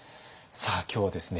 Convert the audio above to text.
さあ今日はですね